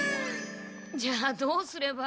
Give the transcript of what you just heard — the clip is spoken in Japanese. じゃあどうすれば。